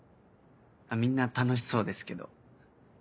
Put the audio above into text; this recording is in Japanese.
みんな楽しそうですけど。